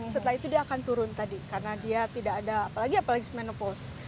setelah itu dia akan turun tadi karena dia tidak ada apalagi apalagi menopaus